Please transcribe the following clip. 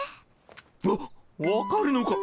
わ分かるのか。